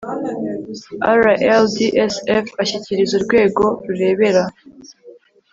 rldsf ashyikiriza urwego rureberera